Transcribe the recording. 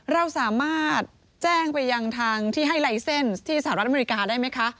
เราสามารถแจ้งไปยังทางที่ให้ไลเซ็นต์ที่สหรัฐอเมริกาได้ไหมคะ